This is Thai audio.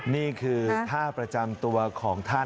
นี่คือท่าประจำตัวของท่าน